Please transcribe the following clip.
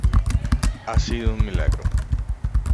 ¡ ha sido un milagro!...